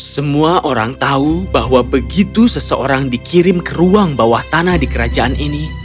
semua orang tahu bahwa begitu seseorang dikirim ke ruang bawah tanah di kerajaan ini